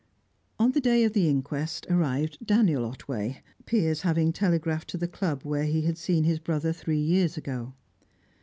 On the day of the inquest arrived Daniel Otway, Piers having telegraphed to the club where he had seen his brother three years ago.